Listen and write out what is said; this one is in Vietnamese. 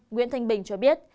nguyễn thanh bình cho biết